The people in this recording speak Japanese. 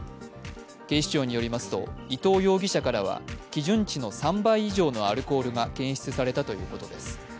警視庁によりますと、伊東容疑者からは基準値の３倍以上のアルコールが検出されたということです。